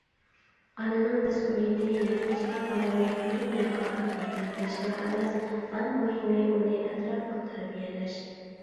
ئانىنىڭ مەسئۇلىيىتى يالغۇزلا بالىنى بۇ دۇنياغا ئاپىرىدە قىلىشلا ئەمەس، ئەڭ مۇھىمى ئۇنى ئەتراپلىق تەربىيەلەش.